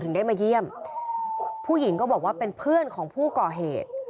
ได้มาเยี่ยมผู้หญิงก็บอกว่าเป็นเพื่อนของผู้ก่อเหตุ